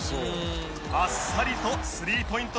あっさりとスリーポイント